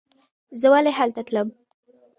زه ولې هلته تلم.